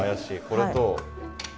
これと。